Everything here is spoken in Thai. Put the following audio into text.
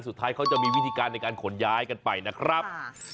สุดท้ายเขาจะมีวิธีการในการขนย้ายกันไปนะครับ